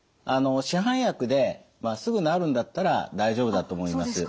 市販薬ですぐ治るんだったら大丈夫だと思います。